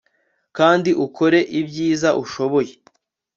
kandi ukore ibyiza ushoboye